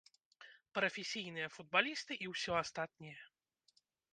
Прафесійныя футбалісты і ўсё астатняе.